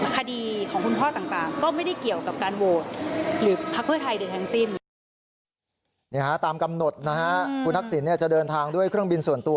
คดีของคุณพ่อต่างก็ไม่ได้เกี่ยวกับการโหวต